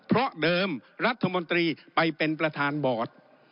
เพราะเดิมรัฐมนตรีไปเป็นประธานบอร์ด